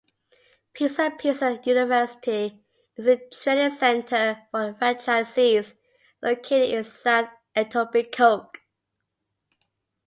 Pizza Pizza University is a training centre for franchisees located in south Etobicoke.